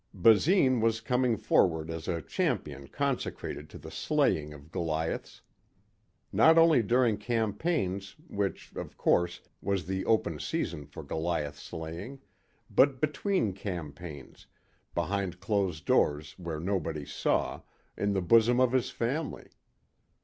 Basine was coming forward as a champion consecrated to the slaying of Goliaths. Not only during campaigns, which, of course, was the open season for Goliath slaying, but between campaigns, behind closed doors where nobody saw, in the bosom of his family.